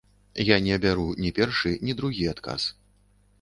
Я не абяру ні першы, ні другі адказ.